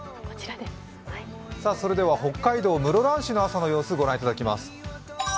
それでは、北海道室蘭市の朝の様子をご覧いただきます。